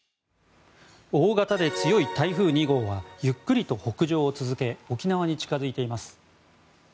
大型で強い台風２号はゆっくりと北上を続け沖縄に近付いています。